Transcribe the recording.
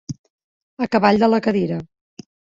A cavall de la cadira.